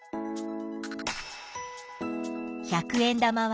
百円玉は？